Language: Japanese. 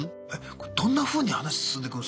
どんなふうに話進んでいくんすか？